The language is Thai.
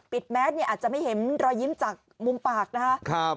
แมสเนี่ยอาจจะไม่เห็นรอยยิ้มจากมุมปากนะครับ